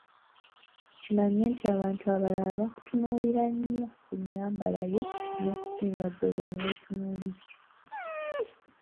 Kimanye nti abantu abalala bakutunuulira nnyo ku nnyambala yo n‘okusinga ggwe bwe weetunuulira.